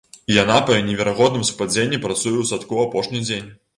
І яна па неверагодным супадзенні працуе ў садку апошні дзень!